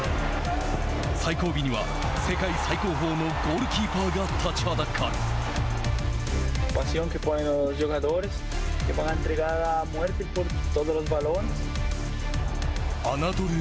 最後尾には世界最高峰のゴールキーパーが立ちはだかる。